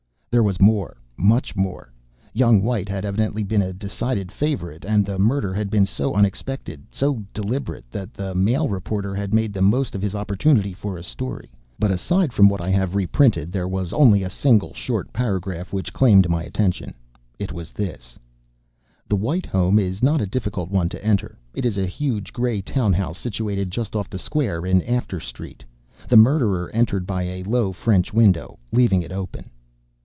There was more, much more. Young White had evidently been a decided favorite, and the murder had been so unexpected, so deliberate, that the Mail reporter had made the most of his opportunity for a story. But aside from what I have reprinted, there was only a single short paragraph which claimed my attention. It was this: The White home is not a difficult one to enter. It is a huge gray town house, situated just off the square, in After Street. The murderer entered by a low French window, leaving it open.